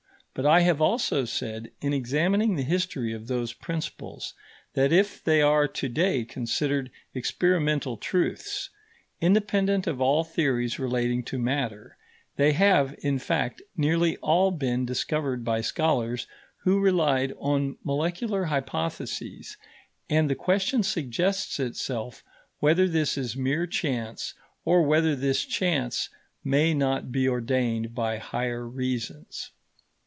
But I have also said, in examining the history of those principles, that if they are to day considered experimental truths, independent of all theories relating to matter, they have, in fact, nearly all been discovered by scholars who relied on molecular hypotheses: and the question suggests itself whether this is mere chance, or whether this chance may not be ordained by higher reasons.